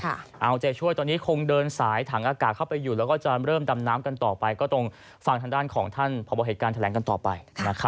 เราจะอย่าช่วยจะคงเดินสายถังอากาศเข้าไปอยู่และเริ่มดำน้ำกันต่อไปตรงฝั่งฐานด้านของท่านพบว่าเหตุการณ์แสดงต่อไป